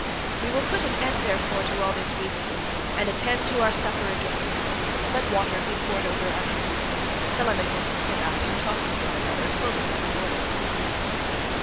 We will put an end therefore to all this weeping, and attend to our supper again. Let water be poured over our hands. Telemachus and I can talk with one another fully in the morning."